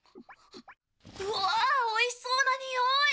うわおいしそうなにおい！